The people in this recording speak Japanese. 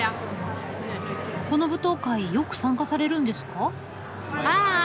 この舞踏会よく参加されるんですか？